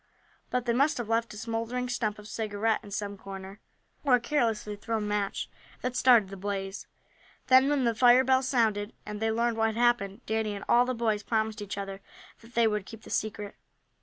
But they must have left a smouldering stump of cigarette in some corner, or a carelessly thrown match, that started the blaze. Then, when the fire bells sounded, and they learned what had happened, Danny and all the boys promised each other that they would keep the secret.